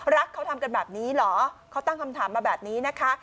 เขาทำกันแบบนี้เหรอเขาตั้งคำถามมาแบบนี้นะคะ